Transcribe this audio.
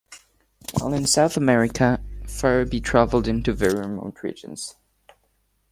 While in South America, Farabee traveled into very remote regions.